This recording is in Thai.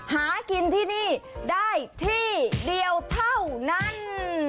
หากินที่นี่ได้ที่เดียวเท่านั้น